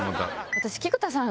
私菊田さん